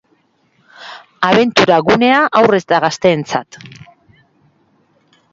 Abentura gunea haur eta gazteentzat.